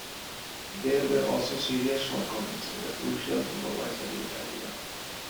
There were also serious shortcomings in the crucial supervisory area.